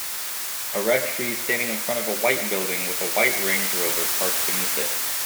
A red tree standing in front of a white building with a white Range Rover parked beneath it